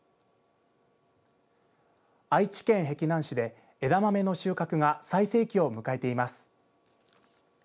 愛知県碧南市で枝豆の収穫が最盛期を迎えています。